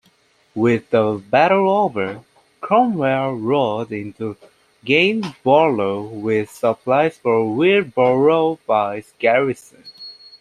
With the battle over, Cromwell rode into Gainsborough with supplies for Willoughby's garrison.